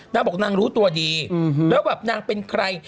นางบอกนางรู้ตัวดีแล้วแบบนางเป็นใคร